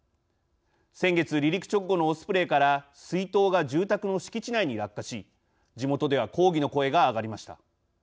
先月離陸直後のオスプレイから水筒が住宅の敷地内に落下し地元では抗議の声が上がりました。